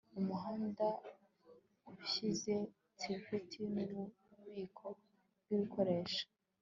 umuhanda ushize thrifty nububiko bwibikoresho